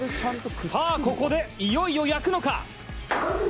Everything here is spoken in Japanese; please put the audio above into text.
さあここでいよいよ焼くのか？